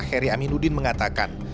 heri aminuddin mengatakan